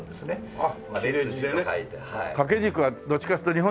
あっ。